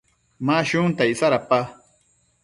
Ma shunta icsa dapa?